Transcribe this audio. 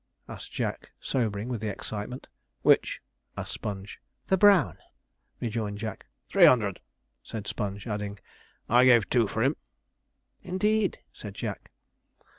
asked Jack, sobering with the excitement. 'Which?' asked Sponge. 'The brown,' rejoined Jack. 'Three hundred,' said Sponge; adding, 'I gave two for him.' 'Indeed!' said Jack.